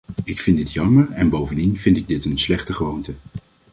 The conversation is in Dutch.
Ik vind dit jammer en bovendien vind ik dit een slechte gewoonte.